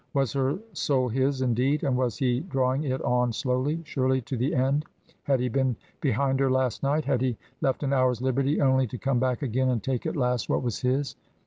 Was her soul his, indeed, and was he drawing it on slowly, surely to the end? Had he been behind her last night? Had he left an hour's liberty only to come back again and take at last what was his?